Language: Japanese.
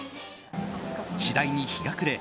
次第に日が暮れ